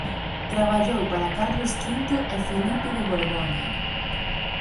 Traballou para Carlos Quinto e Filipe de Borgoña.